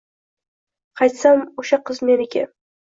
Qaytsam, o`sha qiz meniki